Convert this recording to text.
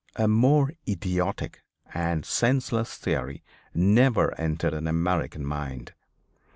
A more idiotic and senseless theory never entered an American mind.